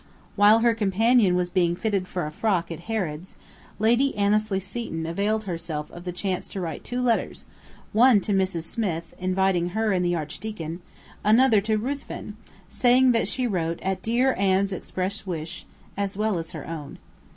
While her companion was being fitted for a frock at Harrod's, Lady Annesley Seton availed herself of the chance to write two letters, one to Mrs. Smith, inviting her and the Archdeacon; another to Ruthven, saying that she wrote at "dear Anne's express wish" as well as her own.